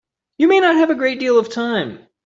You may not have a great deal of time.